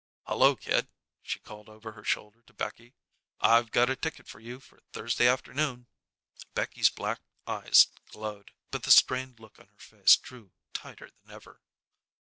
"Hullo, kid," she called over her shoulder to Becky. "I've got a ticket for you for Thursday afternoon." Becky's black eyes glowed, but the strained look on her face drew tighter than ever.